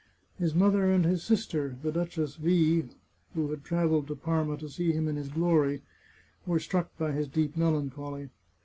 His mother and his sister, the Duchess V , who had travelled to Parma to see him in his glory, were struck by his deep melancholy.